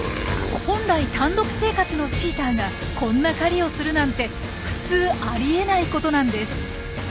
本来単独生活のチーターがこんな狩りをするなんて普通ありえないことなんです。